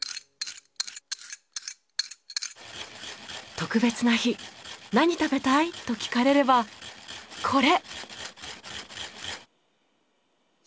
特別な日「何食べたい？」と聞かれればこれ！